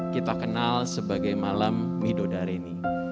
kita kenal sebagai malam midodareni